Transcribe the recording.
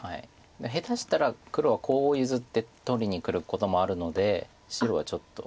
下手したら黒はコウを譲って取りにくることもあるので白はちょっと。